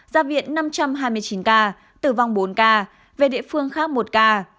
ra viện năm trăm hai mươi chín ca tử vong bốn ca về địa phương khác một ca